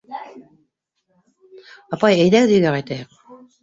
— Апай, әйҙәгеҙ өйгә ҡайтайыҡ.